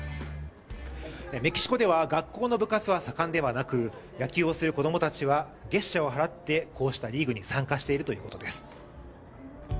メキシコでは学校の部活は盛んではなく野球をする子供たちは月謝を払ってこうしたリーグに参加しているということです。